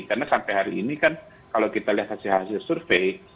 karena sampai hari ini kan kalau kita lihat hasil hasil survei